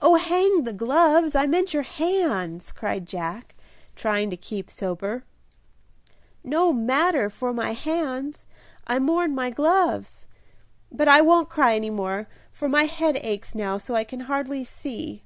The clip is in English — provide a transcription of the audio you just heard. "Oh, hang the gloves! I meant your hands," cried Jack, trying to keep sober. "No matter for my hands, I mourn my gloves. But I won't cry any more, for my head aches now so I can hardly see."